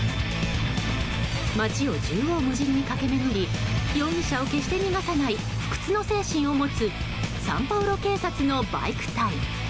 街を縦横無尽に駆け巡り容疑者を決して逃さない不屈の精神を持つサンパウロ警察のバイク隊。